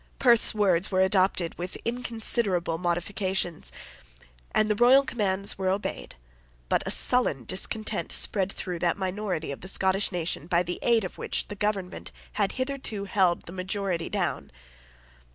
Perth's words were adopted with inconsiderable modifications; and the royal commands were obeyed; but a sullen discontent spread through that minority of the Scottish nation by the aid of which the government had hitherto held the majority down.